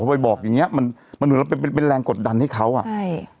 พอไปบอกอย่างเงี้มันมันเหมือนเราเป็นเป็นแรงกดดันให้เขาอ่ะใช่